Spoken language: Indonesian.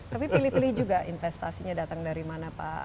tapi pilih pilih juga investasinya datang dari mana pak